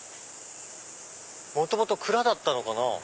元々蔵だったのかな？